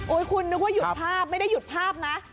คุณนึกว่าหยุดภาพไม่ได้หยุดภาพนะ